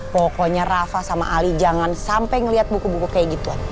pokoknya rafa sama ali jangan sampai ngeliat buku buku kayak gitu